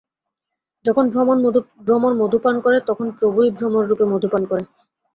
যখন ভ্রমর মধু পান করে, তখন প্রভুই ভ্রমর-রূপে মধু পান করেন।